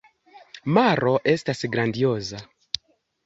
Maro estas grandioza.